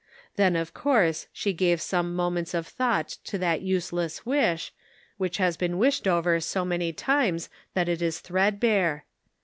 Then of course she gave some moments of thought to that useless wish, which has been wished over so many times it is threadbare.